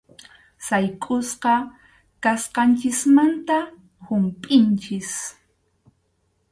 Saykʼusqa kasqanchikmanta humpʼinchik.